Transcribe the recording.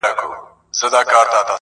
درته موسکی به وي نامرده رقیب -